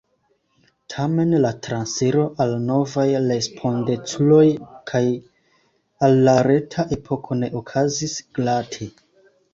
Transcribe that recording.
Tamen la transiro al novaj respondeculoj kaj al la reta epoko ne okazis glate.